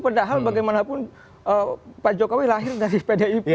padahal bagaimanapun pak jokowi lahir dari pdip